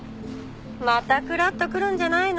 またクラッとくるんじゃないの？